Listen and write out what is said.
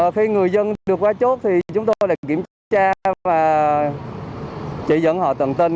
khi người dân được qua chốt thì chúng tôi lại kiểm tra và chỉ dẫn họ tận tình